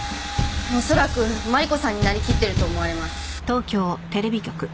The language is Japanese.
恐らくマリコさんになりきってると思われます。